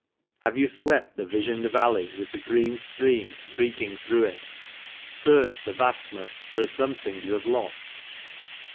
Have you swept the visioned valley with the green stream streaking through it. Searched the Vastness for a something you have lost